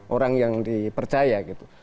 orang yang dipercaya gitu